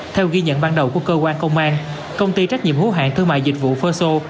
theo ghi nhận ban đầu của cơ quan công an công ty trách nhiệm hữu hạng thương mại dịch vụ ferso